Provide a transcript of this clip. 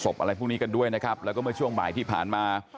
อะไรพวกนี้กันด้วยนะครับแล้วก็เมื่อช่วงบ่ายที่ผ่านมา